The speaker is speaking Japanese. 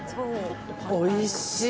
おいしい。